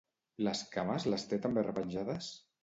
Les cames les té també repenjades?